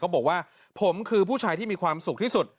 บอกว่าผมคือผู้ชายที่มีความสุขที่สุด